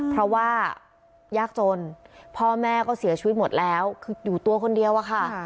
เพราะว่ายากจนพ่อแม่ก็เสียชีวิตหมดแล้วคืออยู่ตัวคนเดียวอะค่ะ